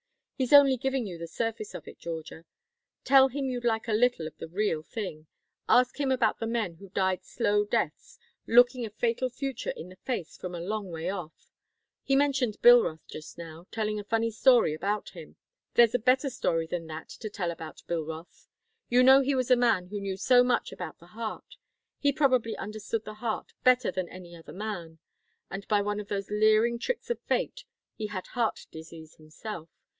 He's only giving you the surface of it, Georgia. Tell him you'd like a little of the real thing. Ask him about the men who died slow deaths, looking a fatal future in the face from a long way off. He mentioned Bilroth just now, telling a funny story about him. There's a better story than that to tell about Bilroth. You know he was the man who knew so much about the heart; he probably understood the heart better than any other man. And by one of those leering tricks of fate, he had heart disease himself.